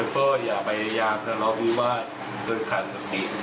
ก็อย่าพยายามทะเลาะวิวาสจนขาดสติ